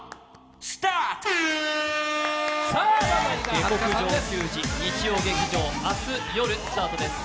「下剋上球児」日曜劇場、明日夜スタートです。